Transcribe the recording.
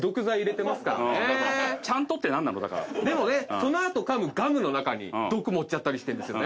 その後かむガムの中に毒盛ったりしてるんですよね。